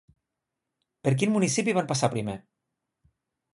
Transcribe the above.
Per quin municipi van passar primer?